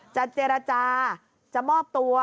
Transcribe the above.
จะเจรจาจะมอบตัว